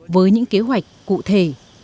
với những kế hoạch cụ thể